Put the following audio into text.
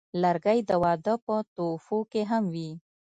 لرګی د واده په تحفو کې هم وي.